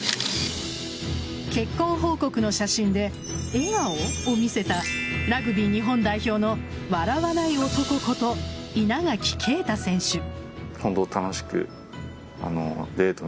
結婚報告の写真で笑顔を見せたラグビー日本代表の笑わない男こと稲垣啓太選手。